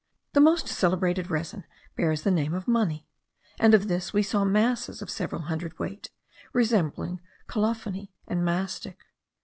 The most celebrated resin bears the name of mani; and of this we saw masses of several hundred weight, resembling colophony and mastic.